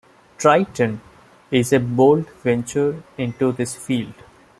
"Triton" is a bold venture into this field.